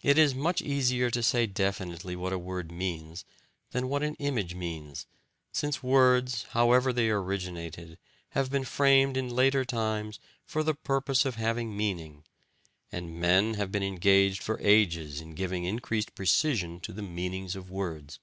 It is much easier to say definitely what a word means than what an image means, since words, however they originated, have been framed in later times for the purpose of having meaning, and men have been engaged for ages in giving increased precision to the meanings of words.